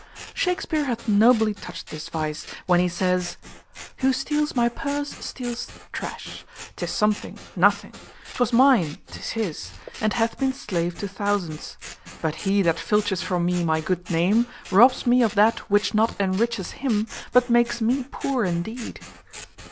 Shakespear hath nobly touched this vice, when he says "Who steals my purse steals trash; 't is something, nothing; 'Twas mine, 'tis his, and hath been slave to thousands: But he that filches from me my good name Robs me of that WHICH NOT ENRICHES HIM, BUT MAKES ME POOR INDEED."